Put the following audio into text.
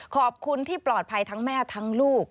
ขอบคุณที่ปลอดภัยทั้งแม่ทั้งลูก